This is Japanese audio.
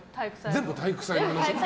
全部体育祭の話？